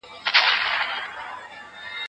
که د نفوس زياتوالی کابو نه سي د ژوند کچه ټيټيږي.